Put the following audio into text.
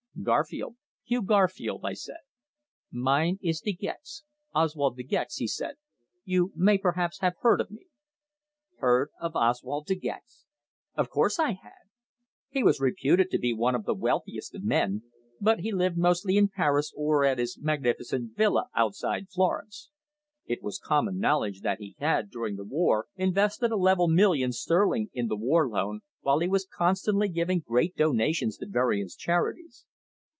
"Garfield Hugh Garfield," I said. "Mine is De Gex Oswald De Gex," he said. "You may perhaps have heard of me." Heard of Oswald De Gex! Of course I had! He was reputed to be one of the wealthiest of men, but he lived mostly in Paris or at his magnificent villa outside Florence. It was common knowledge that he had, during the war, invested a level million sterling in the War Loan, while he was constantly giving great donations to various charities.